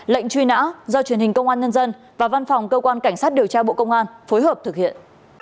lệnh truy nã do truyền hình công an nhân dân và văn phòng cơ quan cảnh sát điều tra bộ công an phối hợp thực hiện